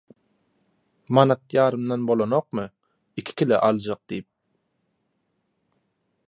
– Manat ýarymdan bolanokmy, iki kile aljak – diýip